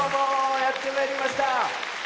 やってまいりました。